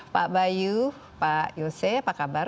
pak bayu pak yose apa kabar